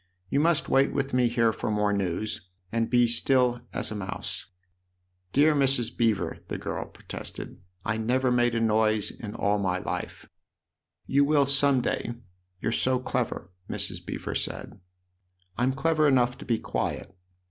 " You must wait with me here for more news, and be as still as a mouse." " Dear Mrs. Beever," the girl protested, " I never made a noise in all my life 1 "" You will some day you're so clever," Mrs. Beever said. THE OTHER HOUSE 19 " I'm clever enough to be quiet."